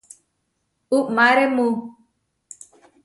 Uʼmáremu.